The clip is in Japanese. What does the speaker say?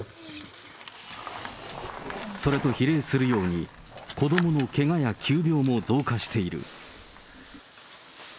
それと比例するように、子どものけがや急病も増加している。